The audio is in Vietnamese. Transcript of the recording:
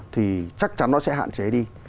thì chắc chắn nó sẽ hạn chế đi